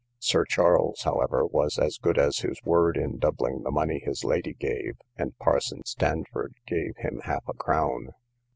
Sir Charles, however, was as good as his word, in doubling the money his lady gave, and parson Standford gave him half a crown.